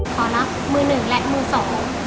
ขอรับมือหนึ่งและมือสอง